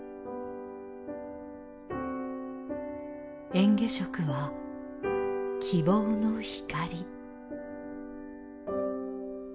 嚥下食は希望の光。